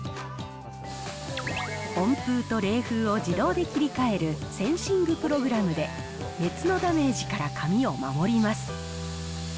温風と冷風を自動で切り替えるセンシングプログラムで、熱のダメージから髪を守ります。